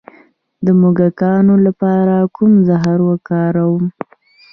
د موږکانو لپاره کوم زهر وکاروم؟